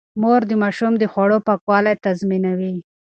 مور د ماشوم د خوړو پاکوالی تضمينوي.